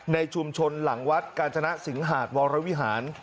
ในชุมชนหลังวัดกาญจนสิงหาดวรวิหาร